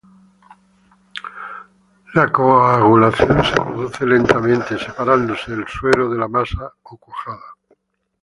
La coagulación se produce lentamente, separándose el suero de la masa o cuajada.